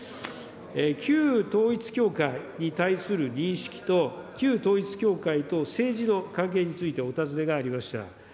旧統一教会に対する認識と旧統一教会と政治の関係についてお尋ねがありました。